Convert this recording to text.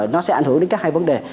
nó sẽ ảnh hưởng đến các hai vấn đề